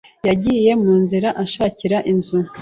Yagiye mu nzira anshakira inzu.